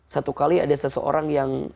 satu kali ada seseorang yang